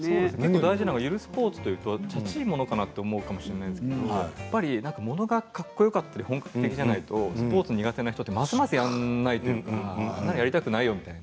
大事なのはゆるスポーツといったらちゃっちいものかなと思うんですがものがかっこよかったり本格的じゃないとスポーツ苦手な人はますますやらないというかやりたくないと。